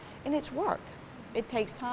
dan itu adalah pekerjaan